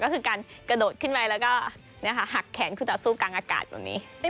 ก็คือการกระโดดขึ้นไปแล้วก็หักแขนขึ้นต่อสู้กลางอากาศแบบนี้